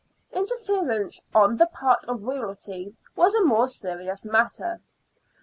Interference on the part of Royalty was a more serious matter.